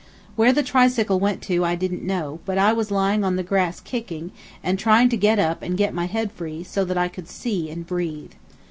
Where the tricycle went to I didn't know, but I was lying on the grass kicking, and trying to get up and to get my head free, so that I could see and breathe.